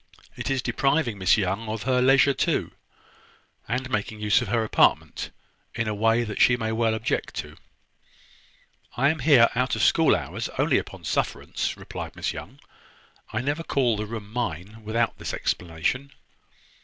It is depriving Miss Young of her leisure, too, and making use of her apartment in a way that she may well object to." "I am here, out of school hours, only upon sufferance," replied Miss Young. "I never call the room mine without this explanation."